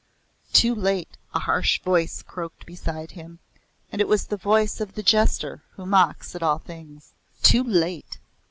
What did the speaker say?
"Too late!" a harsh Voice croaked beside him, and it was the voice of the Jester who mocks at all things. "Too late!